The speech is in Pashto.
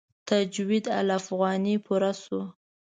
تجوید الافغاني پوره شو.